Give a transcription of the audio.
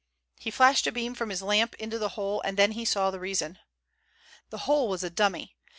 He flashed a beam from his lamp into the hole, and then he saw the reason. The hole was a dummy.